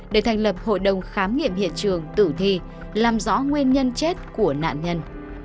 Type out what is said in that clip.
để thành lập hội đồng khám nghiệm hiện trường tử thi làm rõ nguyên nhân chết của nạn nhân